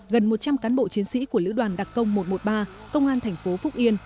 gần một trăm linh cán bộ chiến sĩ của lữ đoàn đặc công một trăm một mươi ba công an thành phố phúc yên